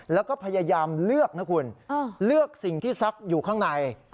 แล้วก็พยายามเลือกนะคุณเลือกสิ่งที่ซักอยู่ข้างใน